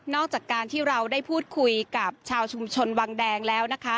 จากการที่เราได้พูดคุยกับชาวชุมชนวังแดงแล้วนะคะ